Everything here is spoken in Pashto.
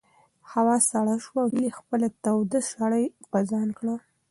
هوا سړه شوه او هیلې خپله توده شړۍ په ځان کړه.